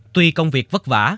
tuy công việc vất vả